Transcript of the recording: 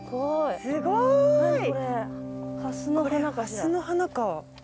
ハスの花かしら。